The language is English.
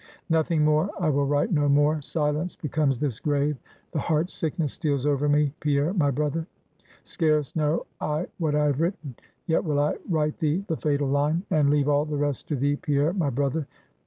"Nothing more; I will write no more; silence becomes this grave; the heart sickness steals over me, Pierre, my brother. "Scarce know I what I have written. Yet will I write thee the fatal line, and leave all the rest to thee, Pierre, my brother.